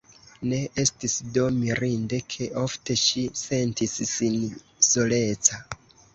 Ne estis do mirinde, ke ofte ŝi sentis sin soleca.